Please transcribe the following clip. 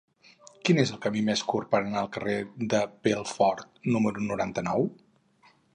Quin és el camí més curt per anar al carrer de Pelfort número noranta-nou?